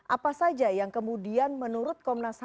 apa saja yang kemudian menurut komnas ham